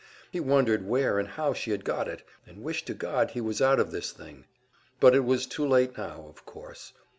He wondered where and how she had got it, and wished to God he was out of this thing. But it was too late now, of course.